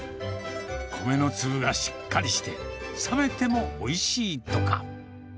米の粒がしっかりして、冷めてもおいしいとか。